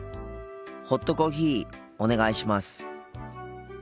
ホットコーヒーお願いします。